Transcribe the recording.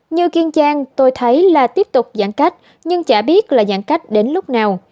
như kiên giang tôi thấy là tiếp tục giãn cách nhưng chả biết là giãn cách đến lúc nào